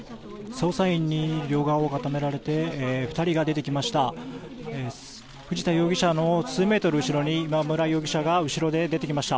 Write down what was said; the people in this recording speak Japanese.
捜査員に両側を固められて２人が出てきました。